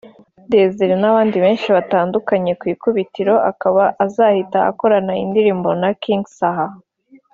Desire n’abandi benshi batandukanye ku ikubitiro akaba azahita akorana indirimbo na King Saha